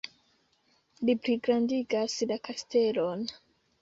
Li pligrandigas la kastelon.